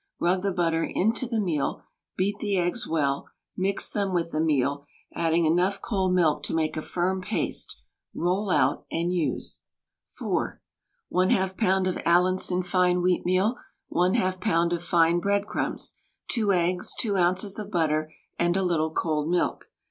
Rub the butter into the meal, beat the eggs well, mix them with the meal, adding enough cold milk to make a firm paste, roll out and use. (4) 1/2 lb. of Allinson fine wheatmeal, 1/2 lb. of fine breadcrumbs, 2 eggs, 2 oz. of butter, and a little cold milk.